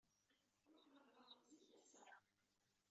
Ruḥeɣ ad ɛummeɣ zik ass-a.